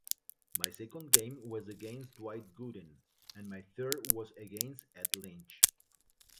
My second game was against Dwight Gooden, and my third was against Ed Lynch.